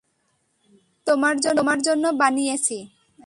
সব তোমার জন্য বানিয়েছি।